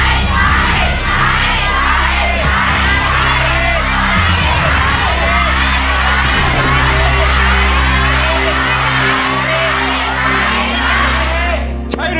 ใช้ใช้ใช้